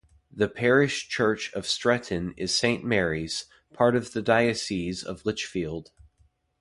The parish church of Stretton is Saint Mary's, part of the Diocese of Lichfield.